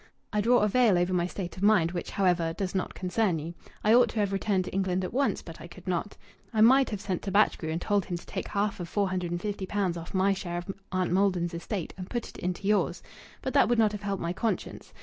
I draw a veil over my state of mind, which, however, does not concern you. I ought to have returned to England at once, but I could not. I might have sent to Batchgrew and told him to take half of four hundred and fifty pounds off my share of Aunt Maldon's estate and put it into yours. But that would not have helped my conscience.